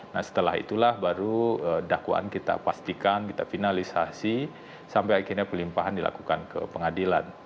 nah setelah itulah baru dakwaan kita pastikan kita finalisasi sampai akhirnya pelimpahan dilakukan ke pengadilan